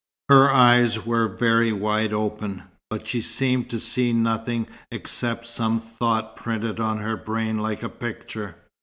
Her eyes were very wide open, but she seemed to see nothing except some thought printed on her brain like a picture.